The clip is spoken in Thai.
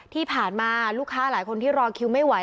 ที่ผ่านมาลูกค้าหลายคนที่รอคิวไม่ไหว